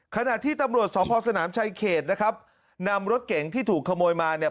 ขณะที่ตำรวจสพสนามชายเขตนะครับนำรถเก๋งที่ถูกขโมยมาเนี่ย